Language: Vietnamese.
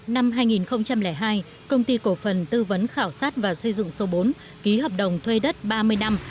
năm hai nghìn hai công ty cổ phần tư vấn khảo sát và xây dựng số bốn ký hợp đồng thuê đất ba mươi năm